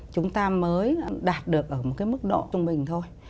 chúng ta mới đạt được ở một cái mức độ trung bình thôi